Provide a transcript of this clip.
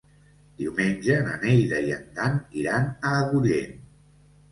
Diumenge na Neida i en Dan iran a Agullent.